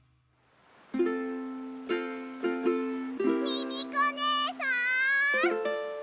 ミミコねえさん！